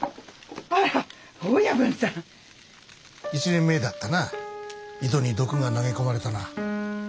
１年前だったなぁ井戸に毒が投げ込まれたのは。